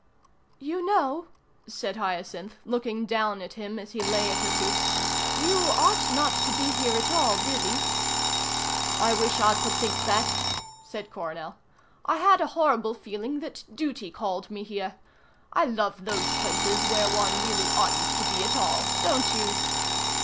"You know," said Hyacinth, looking down at him as he lay at her feet, "you ought not to be here at all, really." "I wish I could think that," said Coronel. "I had a horrible feeling that duty called me here. I love those places where one really oughtn't to be at all, don't you?"